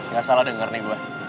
gak salah denger nih gue